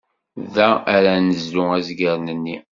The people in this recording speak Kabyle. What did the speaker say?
Da ara nezlu azger-nni.